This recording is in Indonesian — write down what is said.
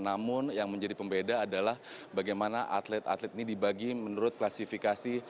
namun yang menjadi pembeda adalah bagaimana atlet atlet ini dibagi menurut klasifikasi